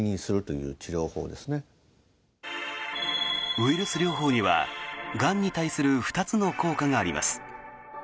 ウイルス療法にはがんに対する２つの効果があります。